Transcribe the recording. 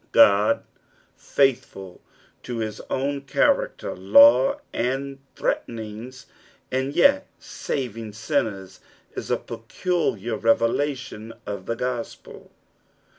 God, faithful to hia own character, law and threatcnings, and yet saving sinncrH, is a. peculiar reve lation of the gospel.